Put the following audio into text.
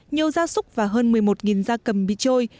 nhiều gia súc và hơn một mươi một da cầm bị trôi